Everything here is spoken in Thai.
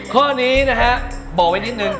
ข้อนี้นะฮะบอกไว้นิดนึง